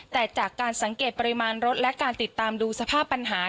แต่จากการสังเกตปริมาณรถและการติดตามดูสภาพปัญหา